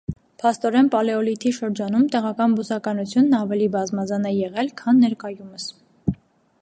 Փաստորեն պալեոլիթի շրջանում տեղական բուսականությունն ավելի բազմազան է եղել քան ներկայումս։